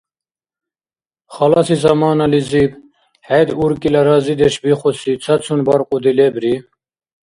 Халаси заманализиб, хӀед уркӀила разидеш бихуси цацун баркьуди лебри